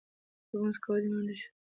لمونځ کول د ایمان نښه ده .